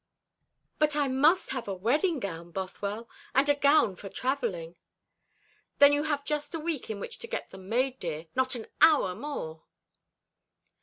"But I must have a wedding gown, Bothwell, and a gown for travelling." "Then you have just a week in which to get them made, dear. Not an hour more."